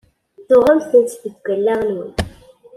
Tuɣem-tent deg allaɣen-nwen?